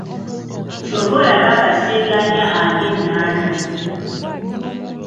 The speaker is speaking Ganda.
Ky'ova olaba nga Ssegaanya alya ennaana.